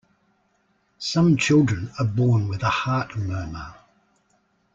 Some children are born with a heart murmur.